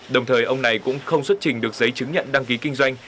đồng thời ông này cũng không xuất trình được giấy chứng nhận đăng ký kinh doanh